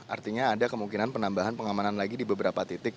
artinya ada kemungkinan penambahan pengamanan lagi di beberapa titik